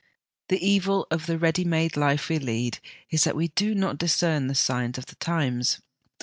The evil of the ready made life we lead is that we do not discern the signs of the times.